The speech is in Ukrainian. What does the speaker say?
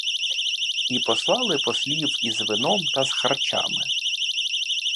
І послали послів із вином та з харчами!